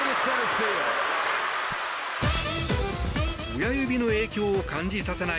親指の影響を感じさせない